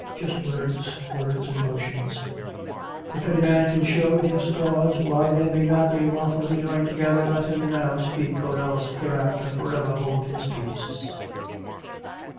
Just words, words and motions. "If any man can show just cause why they may not be lawfully joined together, let him now speak or else hereafter forever hold his peace."